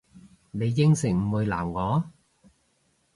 你應承唔會鬧我？